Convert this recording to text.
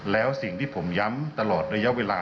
แล้วสิ่งที่ผมย้ำตลอดระยะเวลา